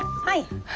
はい。